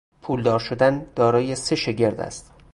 پولدار شدن دارای سه شگرد است.